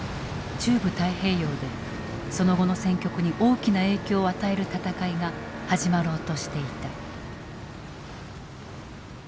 中部太平洋でその後の戦局に大きな影響を与える戦いが始まろうとしていた。